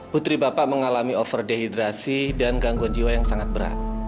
putri bapak mengalami overdeyidrasi dan gangguan jiwa yang sangat berat